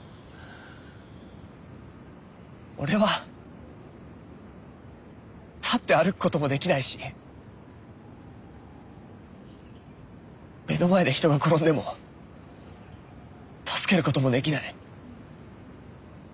俺は立って歩くこともできないし目の前で人が転んでも助けることもできない。